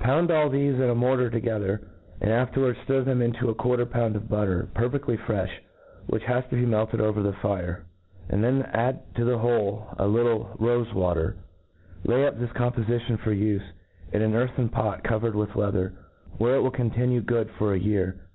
Pound all thefe in a mortar 244 A TRE AXIS E QF . mortar together, and, afterwards ftir them into ^. quarter of a pound qf butter, pcrfedly frefli, which has been melted over the fire, and then add to the whole a lihle rofe water. Lay up this compofition for ufe, in an earthen pot cover r cd with leather, where it will continue good for a year.